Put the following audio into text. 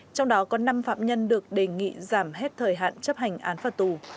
trong đó có năm phạm nhân được đề nghị giảm hết thời hạn chấp hành án phạt tù